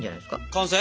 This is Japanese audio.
完成？